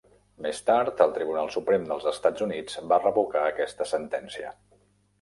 Més tard, el Tribunal Suprem dels Estats Units va revocar aquesta sentència.